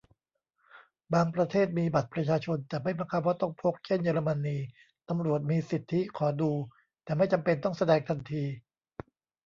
บางประเทศมีบัตรประชาชน แต่ไม่บังคับว่าต้องพก เช่น เยอรมนี ตำรวจมีสิทธิขอดู แต่ไม่จำเป็นต้องแสดงทันที